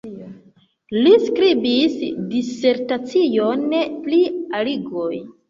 Li skribis disertacion pri algoj.